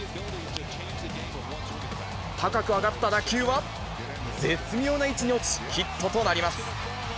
高く上がった打球は、絶妙な位置に落ち、ヒットとなります。